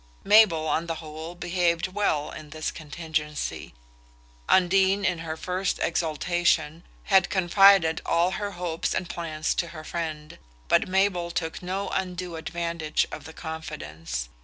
Mabel, on the whole, behaved well in this contingency. Undine, in her first exultation, had confided all her hopes and plans to her friend, but Mabel took no undue advantage of the confidence.